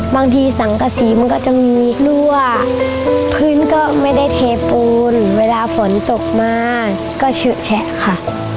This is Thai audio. บางทีสังกษีมันก็จะมีรั่วพื้นก็ไม่ได้เทปูนเวลาฝนตกมาก็เฉอะแฉะค่ะ